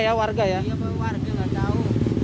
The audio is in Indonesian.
iya pak warga nggak tahu